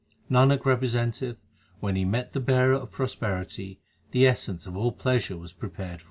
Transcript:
Nanak representeth, when he met the Bearer of pros perity, the essence of all pleasure was prepared for him.